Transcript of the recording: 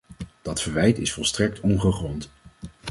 Dat verwijt is volstrekt ongegrond.